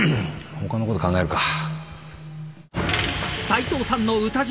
他のこと考えるか